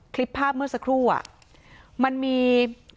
คลิปภาพเมื่อสักครู่มันมี